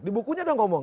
di bukunya sudah ngomong